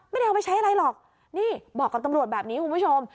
ไม่ได้เอาไปใช้อะไรหรอกนี่บอกกับตำรวจแบบนี้คุณผู้ชม